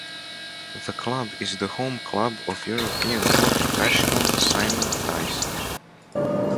The club is the 'home club' of European Tour professional Simon Dyson.